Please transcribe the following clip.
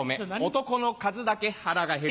男の数だけ腹が減る。